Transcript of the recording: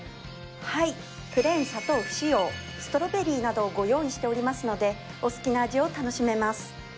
はいプレーン・砂糖不使用ストロベリーなどをご用意しておりますのでお好きな味を楽しめます。